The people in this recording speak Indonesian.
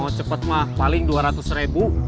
kalo mau cepet mah paling dua ratus ribu